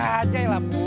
nek bajaj lah bu